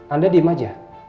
anda diam saja